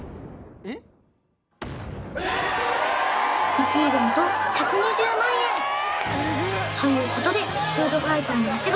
１イベント１２０万円ということでフードファイターのお仕事